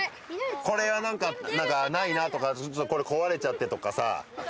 これがないなとかこれ壊れちゃってとかさ。